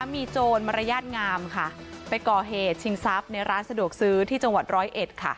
มีโจรมารยาทงามค่ะไปก่อเหตุชิงทรัพย์ในร้านสะดวกซื้อที่จังหวัดร้อยเอ็ดค่ะ